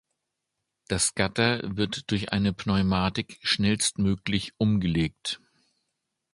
Das Gatter wird durch eine Pneumatik schnellstmöglich umgelegt.